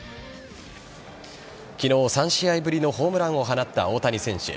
昨日、３試合ぶりのホームランを放った大谷選手。